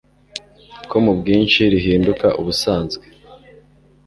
ko mu bwinshi rihinduka ubusanzwe